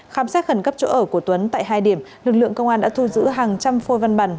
khám xét khẩn cấp chỗ ở của tuấn tại hai điểm lực lượng công an đã thu giữ hàng trăm phôi văn bản